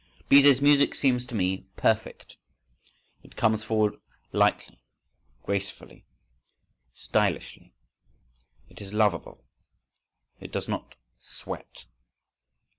Bizet's music seems to me perfect. It comes forward lightly, gracefully, stylishly. It is lovable, it does not sweat.